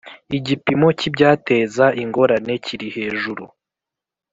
Igipimo cy’ibyateza ingorane kiri hejuru